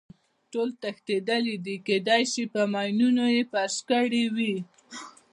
ټول تښتېدلي دي، کېدای شي په ماینونو یې فرش کړی وي.